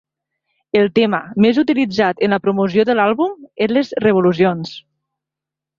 El tema més utilitzat en la promoció de l'àlbum és les revolucions.